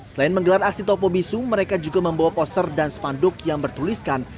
selain menggelar aksi topo bisu mereka juga membawa poster dan spanduk yang bertuliskan